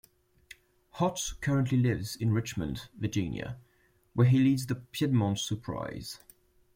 Hott currently lives in Richmond, Virginia where he leads The Piedmont Souprize.